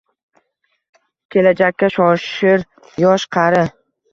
Kelajakka shoshir yosh-qari